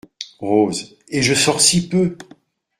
Rose Et je sors si peu !